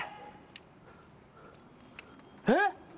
えっ？